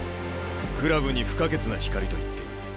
クラブに不可欠な光と言っていい。